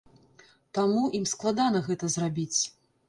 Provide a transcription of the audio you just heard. Таму ім складана гэта зрабіць.